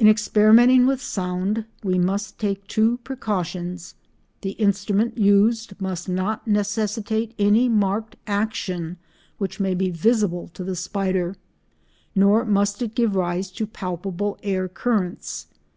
In experimenting with sound we must take two precautions: the instrument used must not necessitate any marked action which may be visible to the spider, nor must it give rise to palpable air currents.